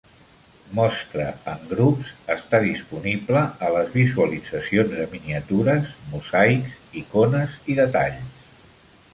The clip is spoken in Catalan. "Mostra en grups" està disponible a les visualitzacions de miniatures, mosaics, icones i detalls.